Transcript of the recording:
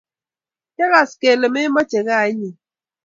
Kiakas kelee memoche gaa inye